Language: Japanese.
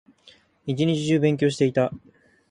一日中勉強していた